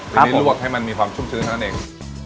เพราะฉะนั้นรวบให้มันมีความชุ่มชื้นขนาดนั้นเอง